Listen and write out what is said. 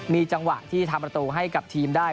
มีจังหวะที่ทำประตูให้กับทีมได้